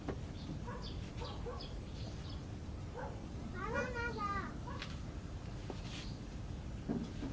・バナナだー。